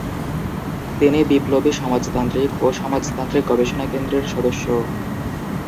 তিনি বিপ্লবী সমাজতান্ত্রিক ও সমাজতান্ত্রিক গবেষণা কেন্দ্রের সদস্য।